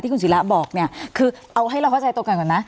คุณศิระบอกเนี่ยคือเอาให้เราเข้าใจตรงกันก่อนนะ